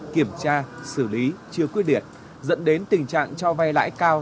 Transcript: kiểm tra xử lý chưa quy định dẫn đến tình trạng cho vay lãi cao